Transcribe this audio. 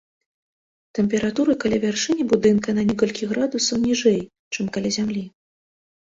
Тэмпература каля вяршыні будынка на некалькі градусаў ніжэй, чым каля зямлі.